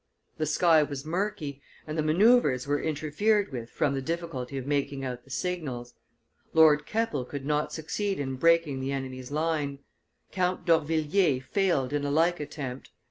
The sky was murky, and the manoeuvres were interfered with from the difficulty of making out the signals. Lord Keppel could not succeed in breaking the enemy's line; Count d'Orvilliers failed in a like attempt.